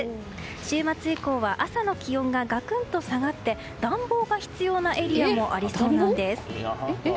週末以降は朝の気温がガクンと下がって暖房が必要なエリアもありそうなんです。